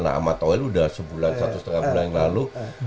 nah sama toel udah sebulan satu setengah bulan yang lalu